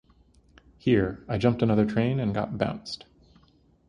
Here I jumped another train and got bounced.